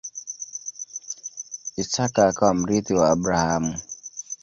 Isaka akawa mrithi wa Abrahamu.